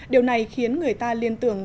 điều này khiến người ta liên tưởng